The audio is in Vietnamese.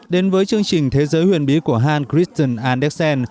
đến với chương trình thế giới huyền bí của hans christian anderson